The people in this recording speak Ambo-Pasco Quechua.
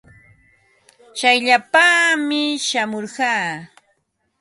Tsayllapaami shamurqaa.